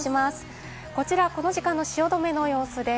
こちらこの時間の汐留の様子です。